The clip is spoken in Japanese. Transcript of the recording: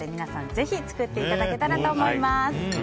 ぜひ作っていただけたらと思います。